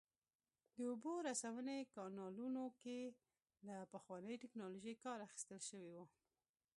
د اوبو رسونې کانالونو کې له پخوانۍ ټکنالوژۍ کار اخیستل شوی و